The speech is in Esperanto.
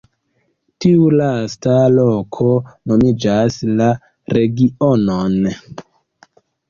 Tiu lasta loko nomigas la regionon.